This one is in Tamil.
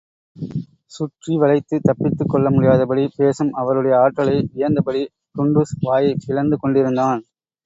சுற்றி வளைத்து தப்பித்துக் கொள்ள முடியாதபடி பேசும் அவருடைய ஆற்றலை வியந்தபடி டுன்டுஷ் வாயைப் பிளந்து கொண்டிருந்தான்.